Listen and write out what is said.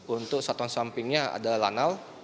untuk satuan sampingnya ada lanal